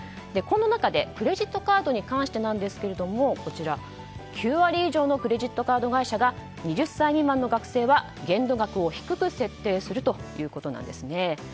この中でクレジットカードに関してですが９割以上のクレジットカード会社が２０歳未満の学生は限度額を低く設定するということです。